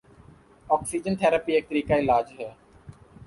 oxygen therapy ایک طریقہ علاج ہے